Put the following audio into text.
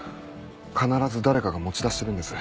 必ず誰かが持ち出してるんです